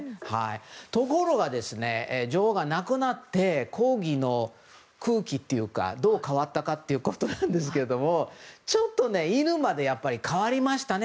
ところが、女王が亡くなってコーギーの空気というかどう変わったかということですがちょっと犬まで変わりましたね。